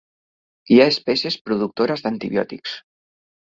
Hi ha espècies productores d'antibiòtics.